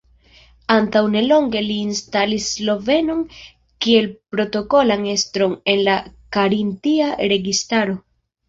Antaŭ nelonge li instalis slovenon kiel protokolan estron en la karintia registaro.